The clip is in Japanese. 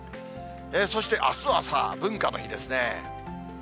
そしてあすは文化の日ですね。